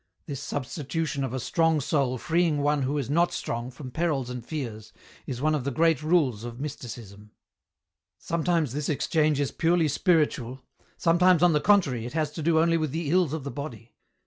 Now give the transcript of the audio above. This substitution of a strong soul freeing one who is not strong from perils and fears is one of the great rules of mysticism. 40 EN ROUTE. " Sometimes this exchange is purely spiritual, sometimes on the contrary it has to do only with the ills of the body.